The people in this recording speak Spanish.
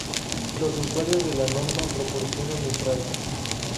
Los usuarios de la norma proporcionan entrada.